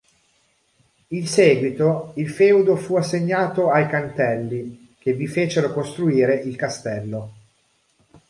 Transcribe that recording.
In seguito il feudo fu assegnato ai Cantelli, che vi fecero costruire il castello.